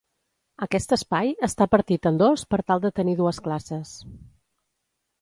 Aquest espai està partit en dos per tal de tenir dues classes.